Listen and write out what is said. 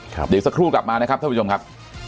เดี๋ยวสักครู่กลับมานะครับท่านผู้ชมครับ